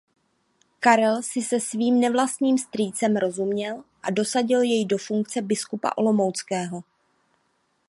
Karel si se svým nevlastním strýcem rozuměl a dosadil jej do funkce biskupa olomouckého.